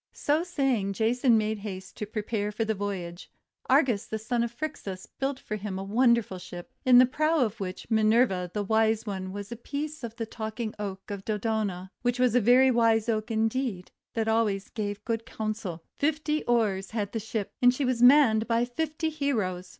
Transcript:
So saying Jason made haste to prepare for the voyage. Argus, the son of Phrixus, built for him a wonderful ship, in the prow of which Minerva the Wise One set a piece of the Talking Oak of Dodona; which was a very wise Oak indeed, that gave always good counsel. Fifty oars had the Ship, and she was manned by fifty heroes.